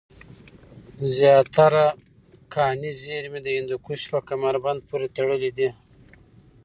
زیاتره کاني زېرمي د هندوکش په کمربند پورې تړلې دی